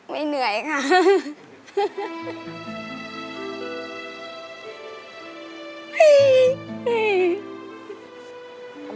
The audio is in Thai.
ไม่เหนื่อยค่ะ